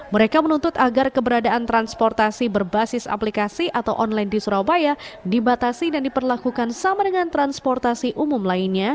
mereka menuntut agar keberadaan transportasi berbasis aplikasi atau online di surabaya dibatasi dan diperlakukan sama dengan transportasi umum lainnya